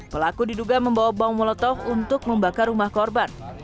pelaku diduga membawa bau molotov untuk membakar rumah korban